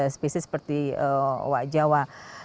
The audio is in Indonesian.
spesies seperti oha jawa